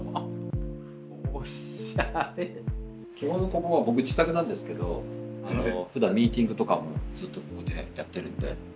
基本ここは僕自宅なんですけどふだんミーティングとかもずっとここでやってるんで。